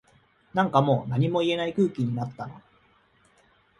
なんかもう何も言えない空気になったな